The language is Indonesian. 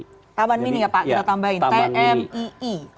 taman mini ya pak kita tambahin t m i i